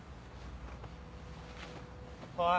おい。